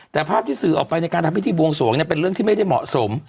แต่ภาพที่สื่อออกไปในการทำพิธีบวงสวงเป็นเรื่องที่ไม่ได้เหมาะสม